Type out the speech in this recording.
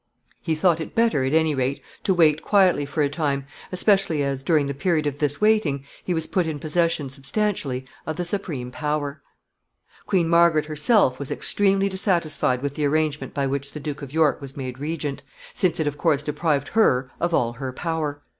He thought it better, at any rate, to wait quietly for a time, especially as, during the period of this waiting, he was put in possession substantially of the supreme power. [Sidenote: Margaret dissatisfied.] Queen Margaret herself was extremely dissatisfied with the arrangement by which the Duke of York was made regent, since it of course deprived her of all her power.